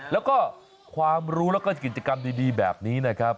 แล้วก็ความรู้และกล้อยกิจกรรมดียี่นะครับ